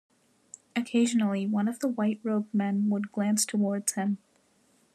Occasionally, one of the white-robed men would glance towards him.